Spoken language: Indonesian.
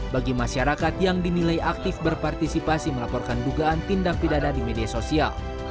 bagi masyarakat yang dinilai aktif berpartisipasi melaporkan dugaan tindak pidana di media sosial